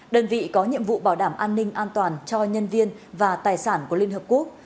đơn vị có nhiệm vụ bảo đảm an ninh an toàn cho nhân viên và tài sản của liên hợp quốc